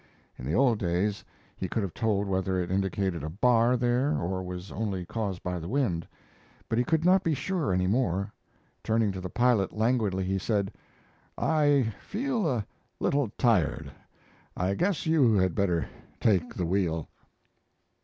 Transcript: In the old days he could have told whether it indicated a bar there or was only caused by the wind, but he could not be sure any more. Turning to the pilot languidly, he said: "I feel a little tired. I guess you had better take the wheel."